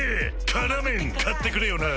「辛麺」買ってくれよな！